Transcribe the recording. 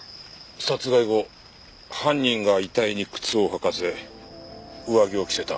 殺害後犯人が遺体に靴を履かせ上着を着せた。